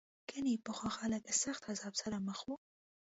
ګنې پخوا خلک له سخت عذاب سره مخ وو.